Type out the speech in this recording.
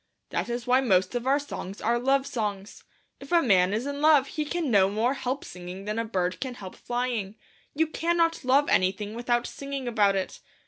That is why most of our songs are love songs. If a man is in love he can no more help singing than a bird can help flying. You cannot love anything without singing about it.